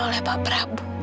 oleh pak prabu